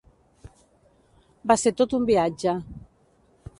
Va ser tot un viatge.